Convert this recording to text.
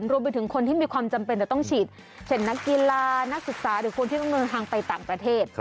รวมไปถึงคนที่มีความจำเป็นจะต้องฉีดเช่นนักกีฬานักศึกษาหรือคนที่ต้องเดินทางไปต่างประเทศ